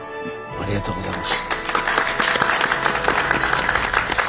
ありがとうございます。